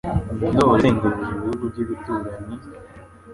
Ndoli yazengereje ibihugu by'ibituranyi,